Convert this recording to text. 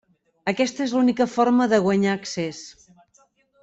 Aquesta és l'única forma de guanyar accés.